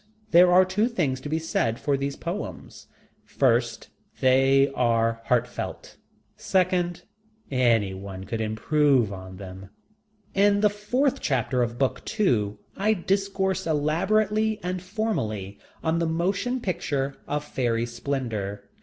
There are two things to be said for those poems. First, they were heartfelt. Second, any one could improve on them. In the fourth chapter of book two I discourse elaborately and formally on The Motion Picture of Fairy Splendor.